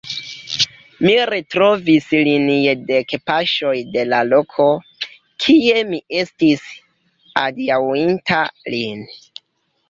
Mi retrovis lin je dek paŝoj de la loko, kie mi estis adiaŭinta lin.